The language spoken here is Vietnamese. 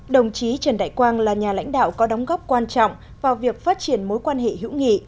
đồng chí trần đại quang là nhà lãnh đạo có đóng góp quan trọng vào việc phát triển mối quan hệ hữu nghị